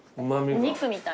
お肉みたい。